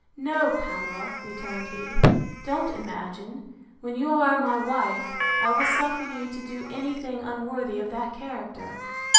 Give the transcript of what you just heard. No, Pamela, returned he; don't imagine, when you are my wife, I will suffer you to do any thing unworthy of that character.